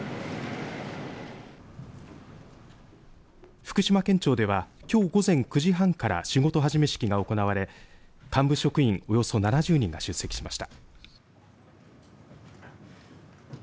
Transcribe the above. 福島県庁ではきょう午前９時半から仕事始め式が行われ幹部職員およそ７０人が出席しました。